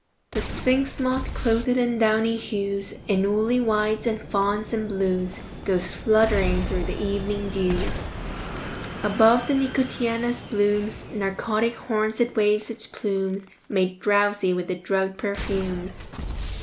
III The sphinx moth, clothed in downy hues, In woolly whites and fawns and blues, Goes fluttering through the evening dews. Above the nicotiana's blooms' Narcotic horns it waves its plumes, Made drowsy with the drugged perfumes.